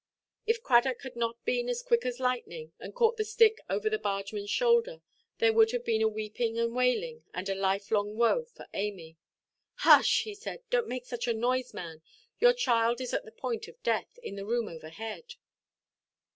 If Cradock had not been as quick as lightning, and caught the stick over the bargemanʼs shoulder, there would have been weeping and wailing and a lifelong woe for Amy. "Hush," he said; "donʼt make such a noise, man. Your child is at the point of death, in the room overhead."